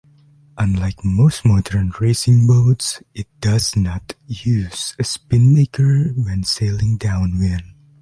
Unlike most modern racing boats, it does not use a spinnaker when sailing downwind.